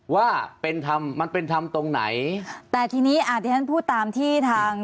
ว่าเป็นธรรมมันเป็นธรรมตรงไหนแต่ทีนี้อ่าที่ฉันพูดตามที่ทาง